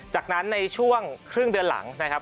จากนั้นในช่วงครึ่งเดือนหลังนะครับ